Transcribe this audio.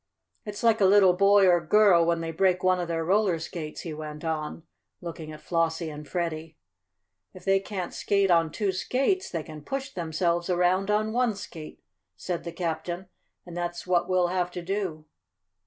It's like a little boy or girl, when they break one of their roller skates," he went on, looking at Flossie and Freddie. "If they can't skate on two skates they can push themselves around on one skate," said the captain. "And that's what we'll have to do.